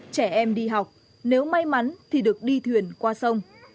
trẻ em đi học nếu may mắn thì được đi thuyền qua sông